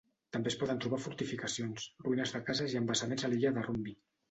També es poden trobar fortificacions, ruïnes de cases i embassaments a l'illa de Romvi.